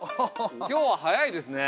今日は早いですね。